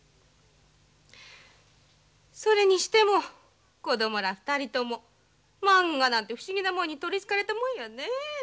それにしても子どもら２人ともまんがなんて不思議なもんに取りつかれたもんよねえ。